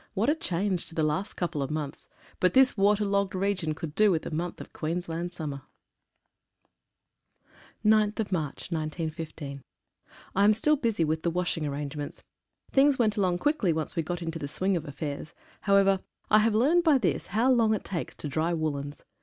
What a change to the last couple of months, but this water logged region could do with a month of Queensland summer. « H «> 9/3/15. JAM still busy with the washing arrangements. Things went along quickly once we got into the swing of affairs. However, I have learned by this how long it takes to dry woollens.